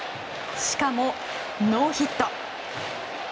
しかも、ノーヒット。